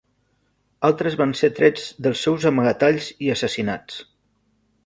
Altres van ser trets dels seus amagatalls i assassinats.